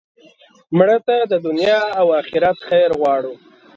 مړه ته د دنیا او آخرت خیر غواړو